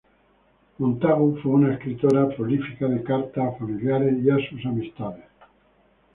Montagu fue una escritora prolífica de cartas a familiares y a sus amistades.